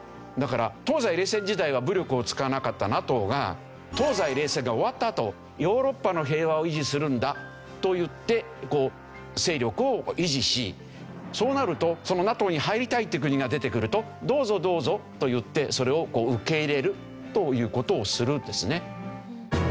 だから東西冷戦時代は武力を使わなかったＮＡＴＯが東西冷戦が終わったあとヨーロッパの平和を維持するんだといって勢力を維持しそうなるとＮＡＴＯに入りたいっていう国が出てくるとどうぞどうぞといってそれを受け入れるという事をするんですね。